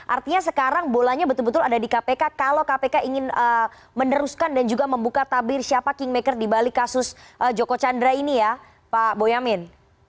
artinya sekarang bolanya betul betul ada di kpk kalau kpk ingin meneruskan dan juga membuka tabir siapa kingmaker di balik kasus joko chandra ini ya pak boyamin